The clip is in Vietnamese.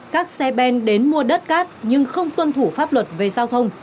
các xe ben đến mua đất cát nhưng không tuân thủ pháp luật về giao thông